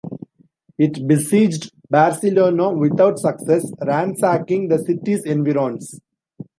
It besieged Barcelona without success, ransacking the city's environs.